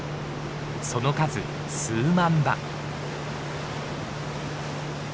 その数数万羽。